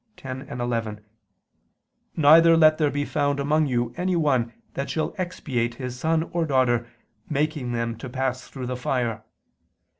18:10, 11): "Neither let there be found among you anyone that shall expiate his son or daughter, making them to pass through the fire